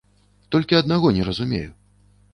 Толькі аднаго не разумею.